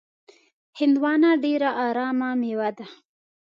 هندوانه ډېره ارامه میوه ده.